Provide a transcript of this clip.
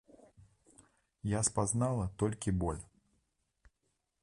Я спазнала толькі боль.